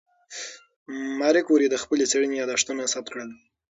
ماري کوري د خپلې څېړنې یادښتونه ثبت کړل.